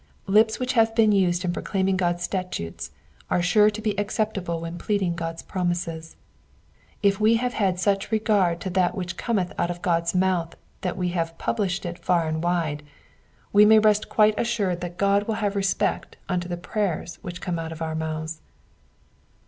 Lips which have been used in proclaiming God's statutes are sure to bo acceptable when pleading God's promises. If we have had such regard to that which cometh out of God's mouth that we have published it far and wide, we may rest quite assured that God will have respecc unto the prayers which come out of our mouths.